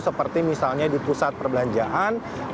seperti misalnya di pusat perbelanjaan